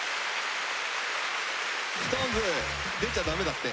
ＳｉｘＴＯＮＥＳ出ちゃ駄目だって。